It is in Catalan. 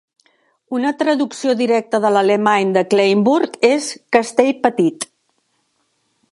Una traducció directa de l'alemany de Kleinburg és "castell petit".